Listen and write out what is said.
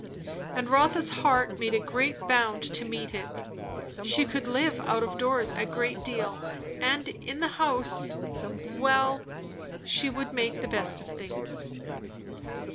and Rotha's heart made a great bound to meet it. She could live out of doors a great deal; and in the house well, she would make the best of things.